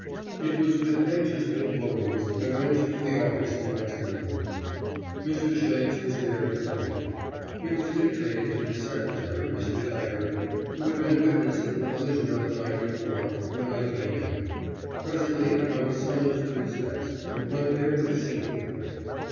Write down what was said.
It was with anxious forebodings I went to the office the next morning. Mr. Shanks was there before me. He was dictating to his secretary, Mr. Taggart, who had been witness of the collision of the night before, when I came in. Presently I was summoned to his desk, and went there with sinking heart.